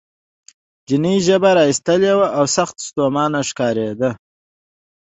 چیني ژبه را ویستلې وه او سخت ستومانه ښکارېده.